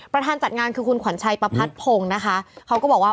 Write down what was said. จัดงานคือคุณขวัญชัยประพัดพงศ์นะคะเขาก็บอกว่า